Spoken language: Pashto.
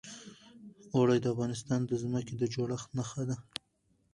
اوړي د افغانستان د ځمکې د جوړښت نښه ده.